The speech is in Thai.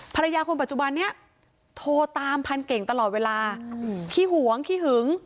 ภรรยาคนปัจจุบันนี้โทรตามพันเก่งตลอดเวลาขี้หวงขี้หึง